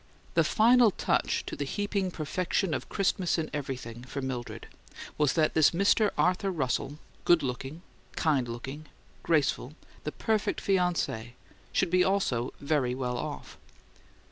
The final touch to the heaping perfection of Christmas in everything for Mildred was that this Mr. Arthur Russell, good looking, kind looking, graceful, the perfect fiance, should be also "VERY well off."